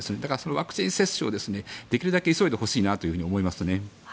ワクチン接種をできるだけ急いでほしいなと思いますね。